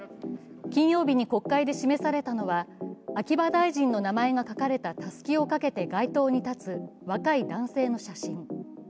金曜日に国会で示されたのは秋葉大臣の名前が書かれたたすきをかけて街頭に立つ若い男性の写真。